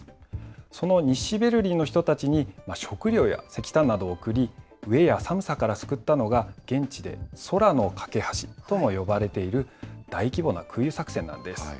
その西ベルリンの人たちに、食料や石炭などを送り、飢えや寒さから救ったのが現地で空のかけ橋とも呼ばれている大規模な空輸作戦なんです。